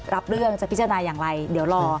รับเรื่องจะพิจารณาอย่างไรเดี๋ยวรอ